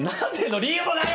理由もないわ！